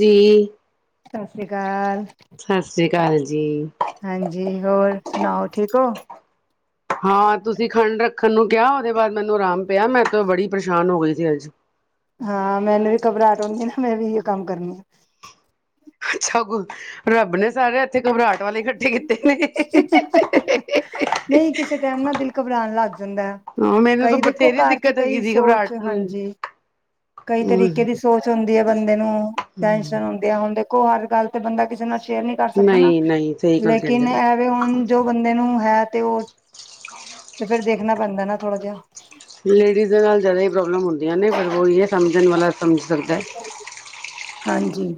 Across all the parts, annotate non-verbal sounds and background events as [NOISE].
ਜੀ ਸਤਿ ਸ਼੍ਰੀ ਅਕਾਲ ਸਤਿ ਸ਼੍ਰੀ ਅਕਾਲ ਜੀ ਹਾਂਜੀ ਹੋਰ ਸੁਣਾਓ ਠੀਕ ਹੋ ਹਾਂ ਤੁਸੀਂ ਖੰਡ ਰੱਖਣ ਨੂੰ ਕਿਹਾ ਉਹਦੇ ਬਾਅਦ ਮੈਨੂੰ ਆਰਾਮ ਪਿਆ ਮੈਂ ਤਾਂ ਬੜੀ ਪਰੇਸ਼ਾਨ ਹੋ ਗਈ ਸੀ ਅੱਜ ਹਾਂ ਮੈਨੂੰ ਵੀ ਘਬਰਾਹਟ ਆਉਂਦੀ ਆ ਨਾ ਮੈਂ ਵੀ ਇਹ ਕੰਮ ਕਰਨੀ ਅੱਛਾ ਗੁੰਨ ਰੱਬ ਨੇ ਸਾਰੇ ਇੱਥੇ ਘਬਰਾਹਟ ਵਾਲੇ ਇਕੱਠੇ ਨੇ ਨਹੀਂ ਕਿਸੇ ਟਾਈਮ ਨਾ ਦਿਲ ਘਬਰਾਉਣ ਲੱਗ ਜਾਂਦਾ ਹਾਂ ਮੈਨੂੰ ਤਾਂ ਕਈ ਦੇਖੋ ਬਥੇਰੀ ਘਰ ਚ ਦਿੱਕਤ ਹੈਗੀ ਕਈ ਸੀ ਸੋਚ ਘਬਰਾਹਟ ਨੂੰ ਹਾਂਜੀ ਕਈ ਤਰੀਕੇ ਹਮ ਦੀ ਸੋਚ ਹੁੰਦੀ ਹੈ ਬੰਦੇ ਨੂੰ ਟੈਨਸ਼ਨ ਹੁਣ ਦੇਖੋ ਹਰ ਗੱਲ ਤੇ ਬੰਦਾ ਕਿਸੇ ਨਾਲ ਸ਼ੇਅਰ ਨੀ ਕਰ ਸਕਦਾ ਨਾ ਨਹੀਂ ਨਹੀਂ ਸਹੀ ਗੱਲ ਕਹਿੰਦੇ ਲੇਕਿਨ ਪਏ ਐਵੇਂ ਹੁਣ ਜੋ ਬੰਦੇ ਨੂੰ ਹੈ ਤੇ ਉਹ ਫਿਰ ਦੇਖਣਾ ਪੈਂਦਾ ਨਾ ਥੋੜਾ ਜਿਹਾ ਲੇਡੀਜ਼ ਦੇ ਨਾਲ ਜ਼ਿਆਦਾ ਹੀ ਪ੍ਰੋਬਲਮ ਹੁੰਦੀਆਂ ਨੇ ਪਰ ਉਹ ਇਹ ਸਮਝਣ ਵਾਲਾ ਸਮਝ ਸਕਦਾ ਹਾਂਜੀ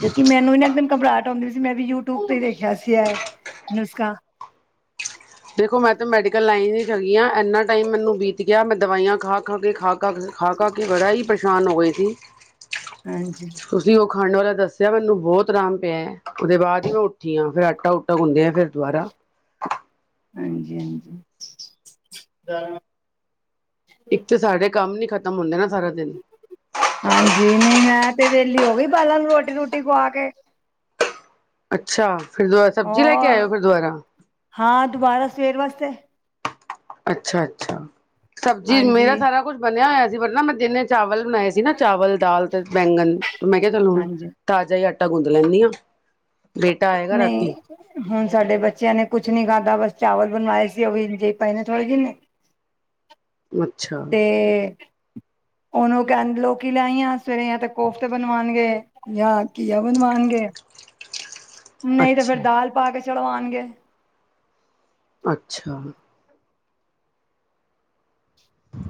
ਕਿਉਂਕਿ ਮੈਨੂੰ ਨਾ ਇਕਦਮ ਘਬਰਾਹਟ ਹੁੰਦੀ ਸੀ ਮੈਂ ਵੀ ਯੂਟੀਊਬ ਤੇ ਦੇਖਿਆ ਸੀ ਇਹ ਨੁਸਖਾ ਦੇਖੋ ਮੈਂ ਤਾਂ ਮੈਡੀਕਲ ਲਾਈਨ ਹੀ ਇੰਨਾ ਟਾਈਮ ਮੈਨੂੰ ਬੀਤ ਗਿਆ ਮੈਂ ਦਵਾਈਆਂ ਖਾ ਖਾ ਕੇ ਖਾ ਖਾ ਖਾ ਖਾ ਕੇ ਬੜਾ ਹੀ ਪਰੇਸ਼ਾਨ ਹੋ ਗਏ ਸੀ। [INAUDIBLE] ਹਾਂਜੀ। ਤੁਸੀਂ ਓ ਖਾਣ ਵਾਲਾ ਦੱਸਿਆ ਮੈਨੂੰ ਬਹੁਤ ਰਾਮ ਪਿਆ ਓਦੇ ਬਾਅਦ ਈ ਮੈਂ ਉੱਠੀ ਆ ਫਿਰ ਆਟਾ ਊਟਾ ਗੁੰਦੇ ਆ ਫਿਰ ਦੁਬਾਰਾ ਹਾਂਜੀ ਹਾਂਜੀ। ਇੱਕ ਤੇ ਸਾਡੇ ਕੰਮ ਨੀ ਖ਼ਤਮ ਹੁੰਦੇ ਨਾ ਸਾਰਾ ਦਿਨ। ਹਾਂਜੀ, ਨਈ ਮੈਂ ਤੇ ਵਿਹਲੀ ਹੋ ਗਈ ਬਾਲਾਂ ਨੂੰ ਰੋਟੀ ਰੂਟੀ ਖਵਾ ਕੇ। ਅੱਛਾ, ਫਿਰ ਦੁਬਾਰਾ ਸਬਜ਼ੀ ਲੈ ਕੇ ਉਹ ਆਇਓ ਫਿਰ ਦੁਬਾਰਾ। ਹਾਂ ਦੁਬਾਰਾ ਸਵੇਰ ਵਾਸਤੇ ਅੱਛਾ ਅੱਛਾ, ਸਬਜ਼ੀ ਮੇਰਾ ਹਾਂਜੀ ਸਾਰਾ ਕੁੱਛ ਬਣਿਆ ਹੋਇਆ ਸੀ ਫਿਰ ਨਾ ਮੈਂ ਦਿਨੇ। ਚਾਵਲ ਬਣਾਏ ਸੀ ਨਾ ਚਾਵਲ ਦਾਲ ਤੇ ਬੈਂਗਣ ਤੇ ਮੈਂ ਕਿਆ ਚਲ ਹੁਨ। ਹਾਂਜੀ ਤਾਜ਼ਾ ਈ ਆਟਾ ਗੁੰਦ ਲੈਣੀ ਆ। ਨਈ। ਹੁਨ ਸਾਡੇ ਬੱਚਿਆਂ ਨੇ ਕੁਛ ਨੀ ਖਾਧਾ ਬਸ ਚਾਵਲ ਬਣਵਾਏ ਸੀ ਓ ਵੀ ਇੰਝ ਈ ਪਏ ਨੇ ਥੋੜੇ ਦਿਨ। [INAUDIBLE] ਅੱਛਾ ਤੇ। ਹੁਨ ਓ ਕਹਿਣ ਲੋਕੀ ਲੈ ਆਈ ਆ ਸਵੇਰੇ ਜਾਂ ਤੇ ਕੋਫਤੇ ਬਣਵਾਣਗੇ। ਜਾ ਕੀਆ ਬਣਵਾਂਣਗੇ। ਨਹੀਂ ਤੇ ਫੇਰ ਅੱਛਾ ਦਾਲ ਪਾ ਕੇ ਚੜਵਾਂਨਗੇ। ਅੱਛਾ।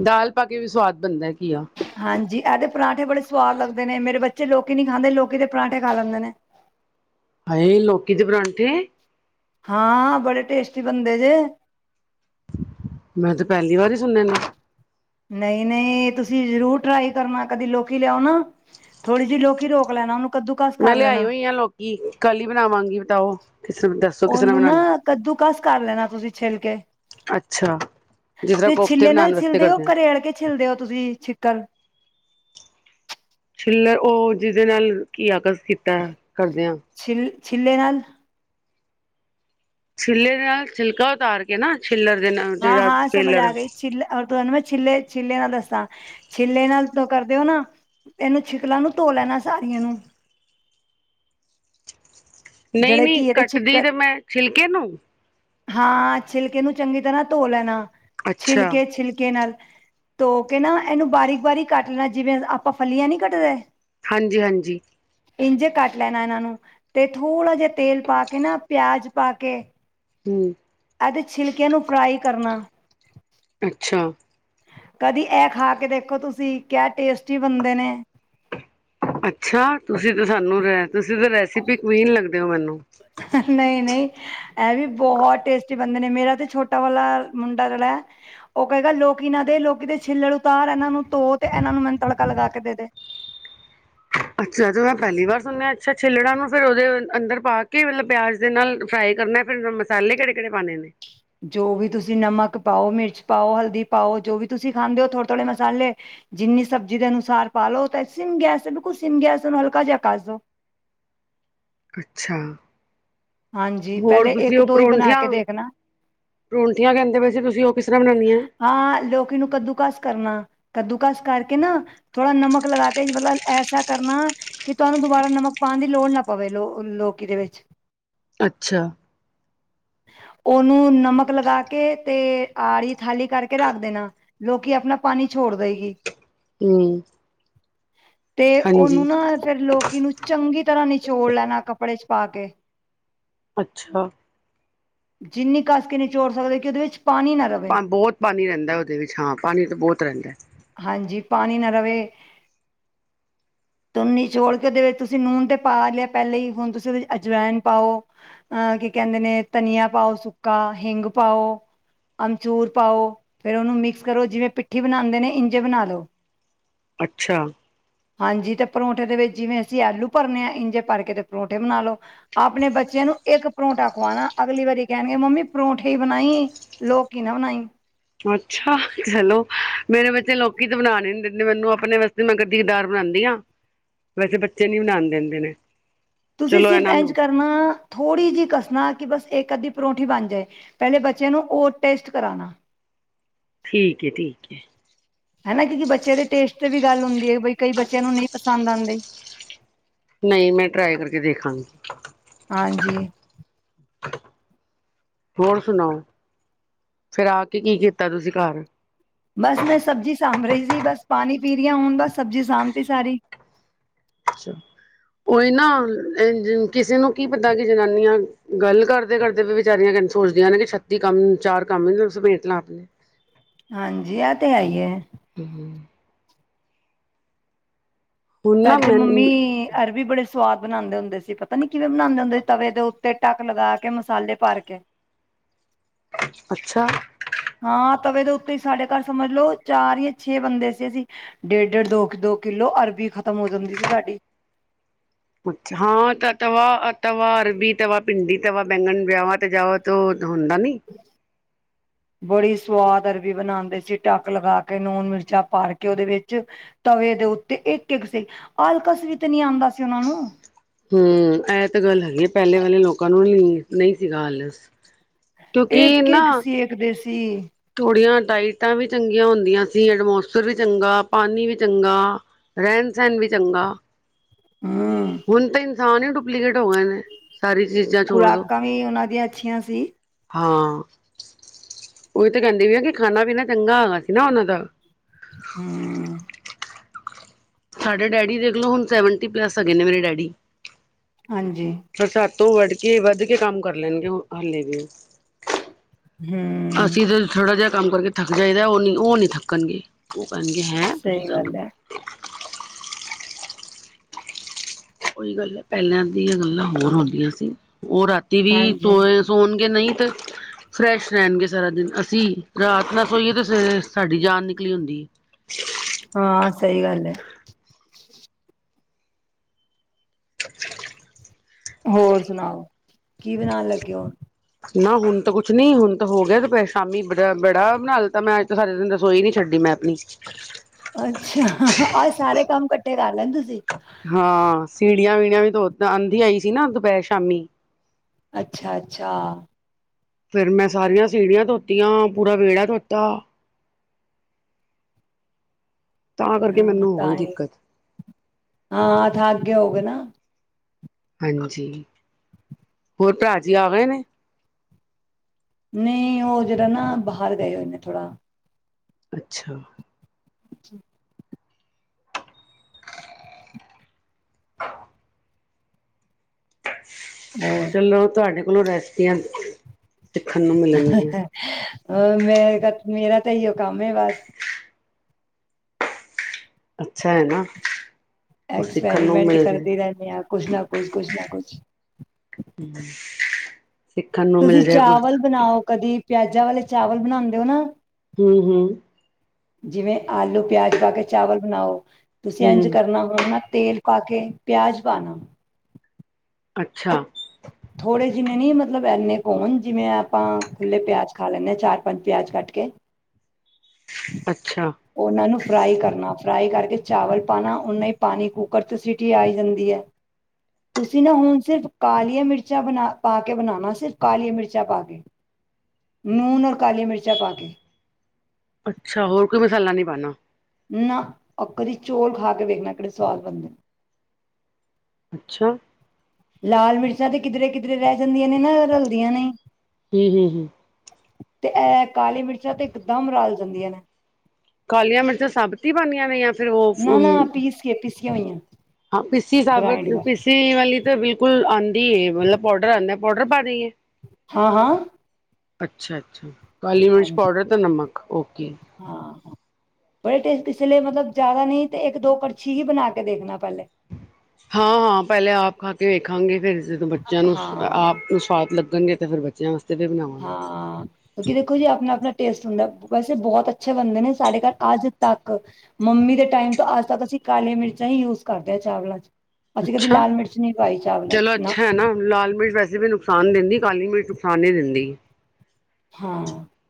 ਦਾਲ ਪਾ ਕੇ ਵੀ ਸਵਾਦ ਬਣਦਾ ਕੀ ਆ। ਹਾਂਜੀ, ਇਹਦੇ ਪਰਾਂਠੇ ਬੜੇ ਸਆਦ ਲੱਗਦੇ ਨੇ ਮੇਰੇ ਬੱਚੇ ਲੋਕੀ ਨੀ ਖਾਂਦੇ ਲੋਕੀ ਦੇ ਪਰਾਂਠੇ ਖਾ ਲੈਂਦੇ ਨੇ। ਹਾਏ ਲੋਕੀ ਦੇ ਪਰਾਂਠੇ। ਹਾਂ, ਬੜੇ ਟੇਸਟੀ ਬਣਦੇ ਜੇ। ਮੈਂ ਤੇ ਪਹਿਲੀ ਵਾਰੀ ਸੁਣੇ ਨੇ। ਨਈ ਨਈ, ਤੁਸੀਂ ਜ਼ਰੂਰ ਟਰਾਈ ਕਰਨਾ ਕਦੇ ਲੋਕੀ ਲਿਆਓ ਨਾ। ਥੋੜੀ ਜੀ ਲੋਕੀ ਰੋਕ ਲੈਣਾ ਓਨੂੰ। ਮੈਂ ਲਿਆਈ ਹੋਈ ਆ ਲੋਕੀ ਕੱਲ ਈ ਬਣਾਵਾਂਗੀ ਬਤਾਓ [UNINTELLIGIBLE] ਓਨੂੰ ਨਾ ਬਣਾਉਣੀ ਕੱਦੂ ਕਾਸ ਕਰ ਲੈਣਾ ਤੁਸੀਂ ਛਿੱਲ ਕੇ। ਅੱਛਾ। ਜਿਸ ਤਰ੍ਹਾਂ ਤੇ ਕੋਫਤੇ ਛਿੱਲੇ ਨਾਲ ਬਣਾਉਣ ਵਾਸਤੇ ਛਿੱਲਦੇ ਓ ਕਰਦੇ ਹਾਂ ਘਰੇਲ ਕੇ ਛਿੱਲਦੇ ਓ ਤੁਸੀਂ ਛਿੱਕਰ। ਛਿੱਲਰ ਉਹ ਜਿਹਦੇ ਨਾਲ ਕੀਆ ਕਾਸ ਕੀਤਾ ਕਰਦੇ ਆਂ। ਛਿੱਲ ਛਿੱਲੇ ਨਾਲ। ਛਿੱਲੇ ਦੇ ਨਾਲ ਛਿਲਕਾ ਉਤਾਰ ਕੇ ਨਾ ਛਿੱਲਰ ਦੇ ਨਾਲ ਹਾਂ ਜਿਹੜਾ ਹਾਂ ਸਮਝ ਪੇਲਰ ਆ ਗਈ ਛਿੱਲੇ ਔਰ ਤੁਹਾਨੂੰ ਮੈਂ ਛਿੱਲੇ ਛਿੱਲੇ ਨਾਲ ਦੱਸਾਂ ਛਿੱਲੇ ਨਾਲ ਕਰਦੇ ਓ ਨਾ। ਏਨੂੰ ਛਿਕਲਾਂ ਨੂੰ ਧੋ ਲੈਣਾ ਸਾਰੀਆਂ ਨੂੰ। ਨਈ ਜਿਹੜੇ ਨਈ, ਘੀਏ ਦੇ ਕੱਟਦੀ ਛਿੱਕਲ ਤੇ ਮੈਂ ਛਿਲਕੇ ਨੂੰ। ਹਾਂ, ਛਿਲਕੇ ਨੂੰ ਚੰਗੀ ਤਰ੍ਹਾਂ ਧੋ ਲੈਣਾ ਅੱਛਾ ਛਿਲਕੇ ਛਿਲਕੇ ਨਾਲ। ਧੋ ਕੇ ਨਾ ਏਨੂੰ ਬਾਰੀਕ ਬਾਰੀਕ ਕੱਟ ਲੈਣਾ ਜਿਵੇਂ ਆਪਾਂ ਫੱਲੀਆਂ ਨੀ ਕੱਟਦੇ। ਹਾਂਜੀ ਹਾਂਜੀ। ਇੰਝ ਕੱਟ ਲੈਣਾ ਇਹਨਾਂ ਨੂੰ। ਤੇ ਥੋੜ੍ਹਾ ਜਾ ਤੇਲ ਪਾ ਕੇ ਨਾ ਪਿਆਜ ਪਾ ਕੇ। ਹੂੰ। ਐਦੇ ਛਿਲਕਿਆਂ ਨੂੰ ਫਰਾਈ ਕਰਨਾ। ਅੱਛਾ। ਕਦੀ ਐ ਖਾ ਕੇ ਦੇਖੋ ਤੁਸੀਂ ਕਿਆ ਟੇਸਟੀ ਬਣਦੇ ਨੇ। ਅੱਛਾ ਤੁਸੀਂ ਤਾਂ ਸਾਨੂੰ ਰੱਸੀ ਭੀ ਨਹੀਂ ਲੱਗਦੇ ਮੈਨੂੰ ਨਹੀਂ-ਨਹੀਂ ਇਹ ਵੀ ਬਹੁਤ ਟੇਸਟੀ ਬੰਦਾ ਨੇ ਮੇਰਾ ਤੇ ਛੋਟਾ ਵਾਲਾ ਮੁੰਡਾ ਜਿਹੜਾ। ਉਹ ਕਹੂਗਾ ਲੋਕੀ ਇਹਨਾਂ ਦੇ ਛਿੱਲੜ ਲਾਹ ਇਹਨਾਂ ਨੂੰ ਧੋ ਤੇ ਇਹਨਾਂ ਨੂੰ ਮੈਂ ਤੜਕਾ ਲਾ ਕੇ ਦੇ ਦੂੰ। ਅੱਛਾ ਤੇ ਮੈਂ ਪਹਿਲੀ ਵਾਰ ਸੁਣਿਆ ਅੱਛਾ ਛਿੱਲੜਾਂ ਨੂੰ ਫੇਰ ਉਹਦੇ ਅੰਦਰ ਪਾ ਕੇ ਮਤਲਬ ਪਿਆਜ਼ ਦੇ ਨਾਲ ਫਰਾਈ ਕਰਨਾ। ਫੇਰ ਮਸਾਲੇ ਜਿਹੜੇ ਕਿਹੜੇ ਪਾਉਣੇ ਨੇ। ਜੋ ਵੀ ਤੁਸੀਂ ਨਮਕ ਪਾਓ, ਮਿਰਚ ਪਾਓ, ਹਲਦੀ ਪਾਓ ਜੋ ਵੀ ਤੁਸੀਂ ਖਾਂਦੇ ਹੋ ਥੋੜ੍ਹੇ-ਥੋੜ੍ਹੇ ਮਸਾਲੇ। ਜਿੰਨੀ ਸਬਜ਼ੀ ਦੇ ਹਿਸਾਬ ਨਾਲ ਪਾ ਲਓ ਤਾਂ ਗੈਸ ਬਿਲਕੁਲ ਸਿੰਮ ਤੇ ਉਹਨੂੰ ਹਲਕਾ ਜਿਹਾ ਘੋਟ ਦਿਓ। ਅੱਛਾ ਹਾਂਜੀ ਹੋਰ ਪਹਿਲੇ ਤੁਸੀਂ ਇੱਕ ਉਹ ਦੋ ਹੀ ਬਣਾ ਪਰੌਂਠਿਆਂ ਕੇ ਨਾਲੋਂ। ਦੇਖਣਾ ਪਰੌਂਠਿਆਂ ਨੂੰ ਕਹਿੰਦੇ ਜੇ ਤੁਸੀਂ ਕਿਸ ਤਰ੍ਹਾਂ ਬਣਾਉਂਦੇ ਹੋ। ਹਾਂ ਲੌਕੀ ਨੂੰ ਕੱਦੂਕਸ ਕਰਨਾ। ਕੱਦੂਕਸ ਕਰਕੇ ਨਾ ਥੋੜ੍ਹਾ ਜਿਹਾ ਨਮਕ ਲਾ ਕੇ ਮਤਲਬ ਐਦਾਂ ਕਰਨਾ। ਕਿ ਤੁਹਾਨੂੰ ਦੁਬਾਰਾ ਨਮਕ ਪਾਉਣ ਦੀ ਲੋੜ ਨਾ ਪਵੇ ਲੌਕੀ ਦੇ ਵਿੱਚ। ਅੱਛਾ। ਉਹਨੂੰ ਨਮਕ ਲਾ ਕੇ ਅਤੇ। ਅੱਡ ਥਾਲੀ 'ਚ ਕਰਕੇ ਰੱਖ ਦੇਣਾ, ਲੌਕੀ ਆਪਣਾ ਪਾਣੀ ਛੱਡ ਦੇਏਗੀ। ਹੂੰ। ਹੂੰ। ਫਿਰ ਲੌਕੀ ਨੂੰ ਚੰਗੀ ਤਰ੍ਹਾਂ ਨਿਚੋੜ ਲੈਣਾ ਕੱਪੜੇ 'ਚ ਪਾ ਕੇ। ਅੱਛਾ। ਜਿੰਨੀ ਕੱਸ ਕੇ ਨਿਚੋੜ ਸਕਦੇ ਹੋ ਕਿ ਉਹਦੇ ਵਿੱਚ ਪਾਣੀ ਨਾ ਰਹੇ। ਬਹੁਤ ਪਾਣੀ ਰਹਿੰਦਾ ਉਹਦੇ ਵਿੱਚ, ਹਾਂ ਪਾਣੀ ਤਾਂ ਬਹੁਤ ਰਹਿੰਦਾ। ਹਾਂ ਜੀ, ਪਾਣੀ ਨਾ ਰਹੇ। ਧੁੰਨੀ ਛੜ ਕੇ ਉਹਦੇ ਵਿੱਚ ਤੁਸੀਂ ਲੂਣ ਤਾਂ ਪਾ ਲਿਆ ਪਹਿਲਾਂ ਹੀ, ਹੁਣ ਤੁਸੀਂ ਉਹਦੇ ਵਿੱਚ ਅਜਵਾਇਣ ਪਾਓ। ਅਹ, ਕੀ ਕਹਿੰਦੇ ਨੇ ਧਨੀਆ ਪਾਓ, ਸੁੱਕਾ ਹਿੰਗ ਪਾਓ। ਅਮਚੂਰ ਪਾਓ, ਫੇਰ ਉਹਨੂੰ ਮਿਕਸ ਕਰੋ ਜਿਵੇਂ ਪਿੱਠੀ ਬਣਾਉਂਦੇ ਨੇ। ਇੰਝ ਬਣਾ ਲਓ। ਅੱਛਾ। ਹਾਂ ਜੀ, ਅਤੇ ਪਰੌਂਠੇ ਦੇ ਵਿੱਚ ਜਿਵੇਂ ਅਸੀਂ ਆਲੂ ਭਰਦੇ ਹਾਂ, ਇੰਝ ਭਰ ਕੇ ਪਰੌਂਠੇ ਬਣਾ ਲਓ। ਆਪਣੇ ਬੱਚਿਆਂ ਨੂੰ ਇੱਕ ਪਰੌਂਠਾ ਖਵਾਉਣਾ, ਅਗਲੀ ਵਾਰੀ ਕਹਿਣਗੇ ਮੰਮੀ ਪਰੌਂਠੇ ਬਣਾਈਂ। ਲੋਕੀਂ ਨਾ ਬਣਾਈਂ। ਅੱਛਾ ਚਲੋ ਮੇਰੇ ਬੱਚੇ ਲੌਕੀ ਤਾਂ ਬਣਾਉਣੇ ਨੀਂ ਦਿੰਦੇ ਮੈਨੂੰ ਆਪਣੇ। ਮੈਂ ਫਿਰ ਵੀ ਬਣਾਉਂਦੀ ਹਾਂ, ਵੈਸੇ ਬੱਚੇ ਨੀਂ ਬਣਾਉਣ ਦਿੰਦੇ। ਤੁਸੀਂ ਚਲੋ ਸਿਰਫ਼ ਇਹਨਾਂ ਇੰਝ ਨੂੰ ਕਰਨਾ ਥੋੜ੍ਹੀ ਜਿਹੀ ਕਸਣਾ ਕਿ ਬਸ ਇੱਕ ਅੱਧੀ ਪਰੌਂਠੀ ਬਣ ਜਾਏ। ਪਹਿਲਾਂ ਬੱਚਿਆਂ ਨੂੰ ਉਹ ਟੇਸਟ ਕਰਾਉਣਾ। ਠੀਕ ਹੈ, ਠੀਕ ਹੈ। ਹਨਾ, ਕਿਉਂਕਿ ਬੱਚੇ ਦੇ ਟੇਸਟ ਤੇ ਵੀ ਗੱਲ ਹੁੰਦੀ ਹੈ, ਬਈ ਕਈ ਬੱਚਿਆਂ ਨੂੰ ਨਹੀਂ ਪਸੰਦ ਆਉਂਦੇ। ਤੁਸੀਂ ਆਡੀਓ ਫਾਈਲ ਭੇਜੀ ਨਹੀਂ। ਹਾਂਜੀ। ਹੋਰ ਸੁਣਾਓ, ਫਿਰ ਆ ਕੇ ਕੀ ਕੀਤਾ ਤੁਸੀਂ ਘਰ? ਬਸ ਮੈਂ ਸਬਜ਼ੀ ਸਾਂਭ ਰਹੀ ਸੀ, ਬਸ ਪਾਣੀ ਪੀ ਰਹੀ ਹਾਂ ਹੁਣ, ਬਸ ਸਬਜ਼ੀ ਸਾਂਭਤੀ ਸਾਰੀ। ਹੀ ਨਾ, ਕਿਸੇ ਨੂੰ ਕੀ ਪਤਾ ਕਿ ਜਨਾਨੀਆਂ। ਗੱਲ ਕਰਦੇ-ਕਰਦੇ ਵੀ ਵਿਚਾਰੀਆਂ ਇਹੀ ਸੋਚਦੀਆਂ ਨੇ ਕਿ ਛੇਤੀ ਕੰਮ ਚਾਰ ਕੰਮ ਨਿਪਟਾ ਲਾਂ ਆਪਣੇ। ਹਾਂਜੀ, ਆਹ ਤਾਂ ਹੈ ਹੀ ਹੈ। ਹੂੰ ਹੂੰ। ਹੁਣ ਨਾ ਤਾਡੀ ਤੇ ਮੰਮੀ ਮੈਨੂੰ ਅਰਬੀ ਬੜੇ ਸਵਾਦ ਬਣਾਂਦੇ ਹੁੰਦੇ ਸੀ, ਪਤਾ ਨੀ ਕਿਵੇਂ ਬਣਾਂਦੇ ਹੁੰਦੇ ਸੀ। ਤਵੇ ਦੇ ਉੱਤੇ ਟੱਕ ਲਗਾ ਕੇ ਮਸਾਲੇ ਭਰ ਕੇ। ਅੱਛਾ। ਹਾਂ, ਤਵੇ ਦੇ ਉੱਤੇ ਸਾਡੇ ਘਰ ਸਮਝ ਲੋਓ ਚਾਰ ਜਾਂ ਛੇ ਬੰਦੇ ਸੀ ਅਸੀਂ। ਡੇਢ- ਡੇਢ, ਦੋ -ਦੋ ਕਿੱਲੋ ਅਰਬੀ ਖ਼ਤਮ ਹੋ ਜਾਂਦੀ ਸੀ ਸਾਡੀ। ਅੱਛਾ, ਹਾਂ ਤਾਂ ਤਵਾ, ਤਵਾ ਅਰਬੀ ਤ ਵ ਭਿੰਡੀ ਤ ਵ ਬੈਂਗਣ ਵਿਆਹ ਤੇ ਜਾਵਾ ਤ ਹੁੰਦਾ ਨੀ। - [INAUDIBLE] ਬੜੀ ਸਵਾਦ ਅਰਬੀ ਬਣਾਂਦੇ ਸੀ, ਢੱਕ ਲਗਾ ਕੇ ਨੂਨ ਮਿਰਚਾਂ ਭਰ ਕੇ ਉਹਦੇ ਵਿੱਚ। ਤਵੇ ਦੇ ਉੱਤੇ ਇੱਕ, ਇੱਕ ਸੀ ਆਲਕਸ ਵੀ ਤੇ ਨਈ ਆਂਦਾ ਸੀ ਉਹਨਾਂ ਨੂੰ। ਹਮ, ਏਹ ਤਾਂ ਗੱਲ ਹੈਗੀ। ਪਹਿਲੇ ਵਾਲੇ ਲੋਕਾਂ ਨੂੰ ਨਹੀਂ ਸੀਗਾ ਆਲਸ। ਕਿਉਂਕਿ ਨਾ ਸਕਦੇ ਸੀ। ਥੋੜੀਆਂ ਡਾਈਟਾਂ ਵੀ ਚੰਗੀਆਂ ਹੁੰਦੀਆਂ ਸੀ। ਐਡਮੋਸਟਰ ਵੀ ਚੰਗਾ, ਪਾਣੀ ਵੀ ਚੰਗਾ। ਰਹਿਣ- ਸਹਿਣ ਵੀ ਚੰਗਾ। ਹੁਮ ਹੁਣ ਤੇ ਇਨਸਾਨ ਡੁਪਲੀਕੇਟ ਹੋ ਗਏ ਨੇ, ਸਾਰੀ ਚੀਜ਼ਾਂ ਛੋੜ ਦੋ, ਖੁਰਾਕਾਂ ਵੀ ਉਹਨਾਂ ਦੀਆਂ ਅੱਛੀਆਂ ਸੀ ਹਾਂ। ਉਹੀ ਤੇ ਕਹਿੰਦੀ ਪਈ ਆ ਕਿ ਖਾਣਾ- ਪੀਣਾ ਚੰਗਾ ਹੋਣਾ ਸੀ ਨਾ ਉਹਨਾਂ ਦਾ। ਹਮ ਸਾਡੇ ਡੈਡੀ ਦੇਖਲੋਂ, ਹੁਣ ਸੈਵਨਟੀ ਪਲੱਸ ਹੈਗੇ ਨੇ ਮੇਰੇ ਡੈਡੀ। ਹਾਂਜੀ ਹ ਸੱਤੋਂ ਵੱਢ ਕੇ ਵੱਧ ਕੇ ਕੰਮ ਕਰ ਲੈਣਗੇ ਉਹ ਹਾਲੇ ਵੀ। ਹਮ ਅਸੀਂ ਤਾਂ ਥੋੜਾ ਜਿਹਾ ਕੰਮ ਕਰਕੇ ਥੱਕ ਜਾਈਦਾ, ਉਹ ਨੀ, ਉਹ ਨੀ ਥੱਕਣਗੇ। ਉਹ ਕਹਿਣਗੇ ਹੈਂ ਤੁਸੀ ਸਹੀ ਥੱਕ ਗੱਲ ਹੈ ਔਈ ਗੱਲ ਐ, ਪਹਿਲਾਂ ਦੀਆਂ ਗੱਲਾਂ ਹੋਰ ਹੁੰਦੀਆਂ ਸੀ। ਉਹ ਰਾਤੀ ਵੀ ਹਾਂਜੀ ਸੋਵੇ ਸੋਣਗੇ ਨਈ ਤੇ ਫਰੈਸ਼ ਰਹਿਣਗੇ ਸਾਰਾ ਦਿਨ, ਅਸੀਂ ਰਾਤ ਨਾ ਸੋਈਏ ਤੇ ਸਵੇਰੇ ਸਾਡੀ ਜਾਨ ਨਿਕਲੀ ਹੁੰਦੀ। ਹਾਂ ਸਹੀ ਗੱਲ ਏ। ਸ ਹੋਰ ਸੁਣਾਓ, ਕੀ ਬਣਾਣ ਲੱਗੇ ਔ। ਨਾ ਹੁਣ ਤਾਂ ਕੁਛ ਨੀ, ਹੁਣ ਤਾਂ ਹੋ ਗਿਆ ਸ਼ਾਮੀ ਬ ਬੜਾ ਬਣਾ ਲਤਾ ਮੈਂ ਅੱਜ ਸਾਰੇ ਦਿਨ ਦੱਸ ਰਸੋਈ ਨੀ ਛੱਡੀ ਮੈਂ ਆਪਣੀ। ਅੱਛਾ, ਆਹ ਸਾਰੇ ਕੰਮ ਇਕੱਠੇ ਕਰ ਲੈਦੇ ਤੁਸੀਂ। ਹਾਂ ਸੀੜੀਆਂ- ਵੀੜੀਆਂ ਵੀ ਆਂਦੀ ਆਈ ਸੀ ਨਾ ਦੁਪਹਿਰ ਸ਼ਾਮੀ ਅੱਛਾ, ਅੱਛਾ। ਫਿਰ ਮੈਂ ਸਾਰੀਆਂ ਸੀੜੀਆਂ ਧੋਤੀਆਂ, ਪੂਰਾ ਵਿਹੜਾ ਧੋਤਾ ਤਾਂ ਕਰਕੇ ਹਾਂ ਮੈਨੂੰ ਹੋ ਤਾਂ ਗਈ ਹੀ ਦਿੱਕਤ ਹਾਂ ਥਰ ਹੋਗੇ ਨਾ। ਹਾਂਜੀ, ਹੋਰ ਭਰਾ ਜੀ ਆ ਗਏ ਨੇ। ਨਈ ਉਹ ਜਿਹੜਾ ਨਾ ਬਾਹਰ ਗਏ ਹੋਏਨੇ ਥੋੜਾ ਅੱਛਾ ਅੱਛਾ ਹੋਰ ਚਲੋ ਤੁਹਾਡੇ ਕੋਲੋਂ ਰੈਸਪੀਆਂ ਸਿੱਖਣ ਨੂੰ ਮਿਲਣਗੀਆਂ। ਅ ਮੇ ਮੇਰਾ ਤਾਂ ਇਹਉ ਕੰਮ ਐ, ਬਸ ਅੱਛਾ ਹੈ ਨਾ, ਕੁਛ ਸਿੱਖਣ ਨੂੰ ਮਿਲ ਰਹਿਆ। ਅਯ ਕੁਝ ਨਾ ਕੁਛ- ਕੁਝ ਨਾ ਕੁਝ। ਹਮ [INAUDIBLE] ਤੁਸੀਂ ਚਾਵਲ ਬਣਾਓ ਕਦੀ ਪਿਆਜ਼ਾਂ ਵਾਲੇ ਚਾਵਲ ਬਣਾਂਦੇ ਹੋ ਨਾ? ਹੂ- ਹੂ। ਜਿਵੇਂ ਆਲੂ- ਪਿਆਜ ਪਾ ਕੇ ਚਾਵਲ ਬਣਾਓ ਤੁਸੀਂ ਇੰਜ ਹੂੰ ਕਰਨਾ ਹਣ ਨਾ ਤੇਲ ਪਾ ਕੇ ਪਿਆਜ ਪਾਣਾ ਅੱਛਾ। ਥੋੜ੍ਹੇ ਜਿਨੇ ਨੀ ਮਤਲਬ ਇੰਨੇ ਹੋਣ ਜਿਵੇਂ ਆਪਾਂ ਖੁੱਲੇ ਪਿਆਜ ਖਾ ਲੈਂਦੇ ਹਾਂ ਚਾਰ -ਪੰਜ ਪਿਆਜ ਕੱਟ ਕੇ ਅੱਛਾ। ਉਹਨਾਂ ਨੂੰ ਫਰਾਈ ਕਰਨਾ ਫਰਾਈ ਕਰਕੇ ਚਾਵਲ ਪੰਨਾ ਉਹਨਾਂ ਹੀ ਪਾਣੀ ਕੂੱਕਰ ਸਿਟੀ ਆ ਜਾਂਦੀ ਹੈ। ਤੁਸੀਂ ਨਾ ਹੁਣ ਸਿਰਫ ਕਾਲੀਆ ਮਿਰਚਾਂ ਬਣਾ ਪਾ ਕੇ ਬਣਨਾ ਸਿਰਫ ਕਾਲੀਆਂ ਮਿਰਚਾਂ ਪਾ ਕੇ। ਹ [INAUDIBLE] ਨੂਨ ਔਰ ਕਾਲੀਆ ਮਿਰਚਾਂ ਪਾ ਕੇ। ਅੱਛਾ, ਹੋਰ ਕੋਈ ਮਸਾਲਾ ਨਹੀਂ ਪਨਾ। ਨਾ ਆ ਕਦੀ ਚੋਲ ਖਾ ਕੇ ਵੇਖਣਾ ਕਿਹੜੇ ਸਵਾਦ ਬਣਦੇ। ਅੱਛਾ। ਲਾਲ ਮਿਰਚਾਂ ਤੇ ਕਿਧਰੇ- ਕਿਧਰੇ ਰਹਿ ਜਾਂਦੀਆਂ ਨੇ ਨਾ ਰਲਦੀਆਂ ਨੇ। ਹੂ -ਹੂ- ਹੂ। ਤੇ ਇਹ ਕਾਲੀ ਮਿਰਚਾਂ ਤੇ ਇਕਦਮ ਰਲ ਜਾਂਦੀਆਂ ਨੇ। ਕਾਲੀਆਂ ਮਿਰਚਾਂ ਸਭਤੀ ਹੀ ਪਨੀਆ ਨੇਆਂ ਨਾ- ਨਾ ਪੀਸ ਕੇ ਪੀਸਿਆ ਹੋਈਆਂ। ਹਾਂ ਪੀਸੀ ਸਾਬਤ ਗ੍ਰਾਇੰਡ ਕਰ ਪੀਸੀ ਵਾਲੀ। ਤੇ ਬਿਲਕੁਲ ਆਂਦੀ ਹੈ, ਮਤਲਬ ਪਾੋਡਰ ਆਂਦਾ ਏ ਪਾਡਰ ਪਾ ਦਈਏ? ਹਾਂ- ਹਾਂ। ਅੱਛਾ -ਅੱਛਾ ਕਾਲੀ ਮਿਰਚ ਹਾਂਜੀ ਪੌਡਰ ਤੇ ਨਮਕ ਓਕੇ। ਹਾਂ ਬੜੇ ਟੇਸਟ ਇਸ ਲਈ ਮਤਲਬ ਜ਼ਿਆਦਾ ਨਹੀਂ ਤੇ ਇੱਕ- ਦੋ ਕੜਛੀ ਹੀ ਬਣਾ ਕੇ ਦੇਖਣਾ ਪਹਿਲੇ। ਹਾਂ- ਹਾਂ ਪਹਿਲੇ ਆਪ ਖਾ ਕੇ ਵੇਖਾਂਗੇ ਫਿਰ ਜਦੋਂ ਬੱਚਿਆਂ ਨੂੰ ਹਾਂ ਆਪ ਨੂੰ ਸਵਾਦ ਲੱ ਗੇ ਫਿਰ ਬੱਚਿਆਂ ਵਤ ਹਾਂ। ਕਿਉਂਕਿ ਦੇਖੋ ਜੀ ਆਪਣਾ -ਆਪਣਾ ਟੇਸਟ ਹੁੰਦਾ ਵੈਸੇ ਬਹੁਤ ਅੱਛੇ ਬੰਦੇ ਨੇ ਸਾਡੇ ਘਰ ਅੱਜ ਤੱਕ ਮੰਮੀ ਦੇ ਟਾਈਮ ਤੋਂ ਅੱਜ ਤੱਕ ਅਸੀਂ ਕਾਲੇ ਮਿਰਚਾਂ ਹੀ ਯੂਜ ਕਰਦੇ ਹਾਂ ਚਾਵਲਾਂ ਚ। ਅਸੀਂ ਕਦੀ ਅੱਛਾ ਲਾਲ ਮਿਰਚ ਨਹੀਂ ਪਾਈ ਚਾਵਲਾਂ ਚ ਚਲੋ ਅੱਛਾ ਹੈ ਨਾ ਲਾਲ ਮਿਰਚ ਵੈਸੇ ਵੀ ਨੁ ਖਾਨ ਦਿੰਦੀ ਕਾਲੀ ਮਿਰਚ ਨੁਕਸਾਨ ਨਹੀਂ ਦਿੰਦੀ। ਹਾਂ।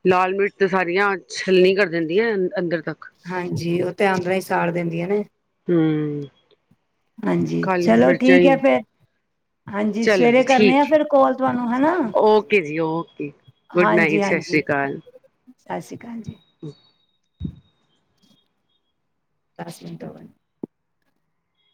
ਲਾਲ ਮਿਰਚ ਤੇ ਸਾਰੀਆਂ ਛੱਲਣੀ ਕਰ ਦਿੰਦੀਆਂ ਅੰਦਰ ਤੱਕ। ਹਾਂਜੀ ਓ ਤੇ ਅਦਰਾ ਹੀ ਸਾੜ ਦਿੰਦੀਆਂ ਨੇ। ਹੂ। ਹਾਂਜੀ, ਚਲੋ ਠੀਕ ਹੈ ਹੀ ਫਿਰ। ਹਾਂਜੀ ਚਲੋ ਸਵੇਰੇ ਜੀ ਕਰਨੇ ਠੀਕ ਆ ਹੈ, ਫਿਰ ਕੋਲ ਤੁਹਾਨੂੰ ਹੈਨਾ। ਓਕੇ ਜੀ ਓਕੇ ਗੁੱਡ ਹਾਂਜੀ- ਨਾਈਟ ਸਤਿ ਹਾਂਜੀ ਸ਼੍ਰੀ ਅਕਾਲ। ਸਤਿ ਸ੍ਰੀ ਅਕਾਲ ਜੀ। ਸਸ ਮਟ ਵ